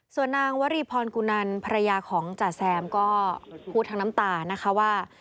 ส่วนนางวรีพรกุนันภรรยาของจ๋าแซมก็พูดทั้งน้ำตานะคะว่า